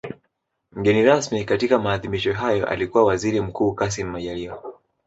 Mgeni rasmi katika maadhimisho hayo alikuwa Waziri Mkuu Kassim Majaliwa